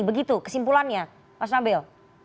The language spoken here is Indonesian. begitu kesimpulannya mas nabil